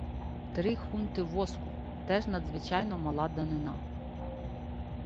"Три хунти воску" — теж надзвичайно мала данина.